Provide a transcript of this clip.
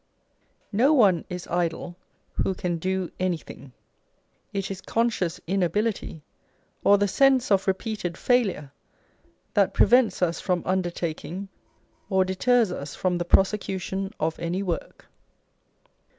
No one is idle who can do anything. It is conscious in ability, or the sense of repeated failure, that prevents us from undertaking, or deters us from the prosecution of any work.